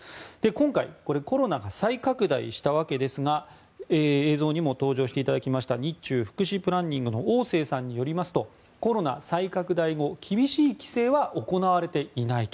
今回、コロナが再拡大したわけですが映像にも登場していただきました日中福祉プランニングのオウ・セイさんによりますとコロナ再拡大後、厳しい規制は行われていないと。